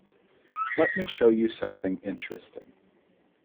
Let me show you something interesting.